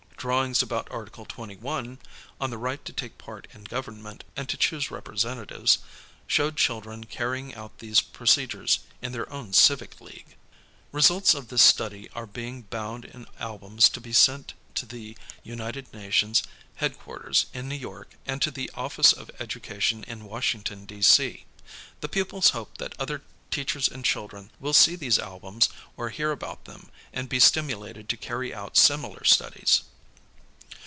Drawings about article 21 on the right to take part in Government and to choose representatives, showed children carrying out these procedures in their own Civic League. Results of this study are being bound in albums to be sent to the I niled Nations head quarters in New York and to the Office of Education in Washington, D. C. The pupils ho|)e that other teachers and children will see these albums or hear about them, and be stimulated to carry out similar studies.